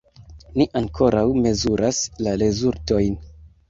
Ni ankoraŭ mezuras la rezultojn.